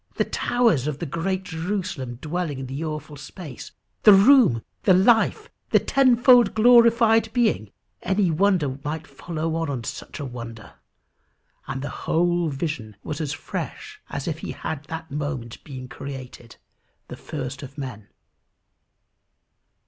The towers of the great Jerusalem dwelling in the awful space! The room! The life! The tenfold glorified being! Any wonder might follow on such a wonder. And the whole vision was as fresh as if he had that moment been created, the first of men.